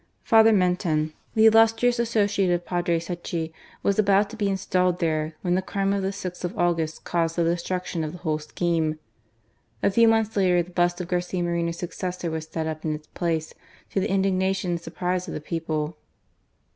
Father Menten, the illus trious associate of Padre Secchi, was about to be installed there, when the crime of the 6th of August caused the destruction of the whole scheme. A few months later, the bust of Garcia Moreno's successor was set up in its place, to the indignation and surprise of the people.